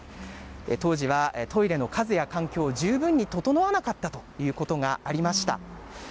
当時はトイレの数や環境、十分に整わなかったということがありました。